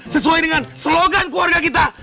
sesuai dengan slogan keluarga kita